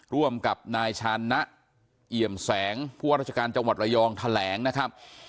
ร่วมกับนายชานะเอี่ยมแสงผู้ว่าราชการจังหวัดระยองแถลงนะครับ